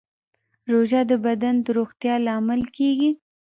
روژه د بدن د روغتیا لامل کېږي.